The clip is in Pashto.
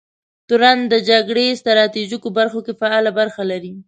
تورن د جګړې ستراتیژیکو برخو کې فعاله برخه لري.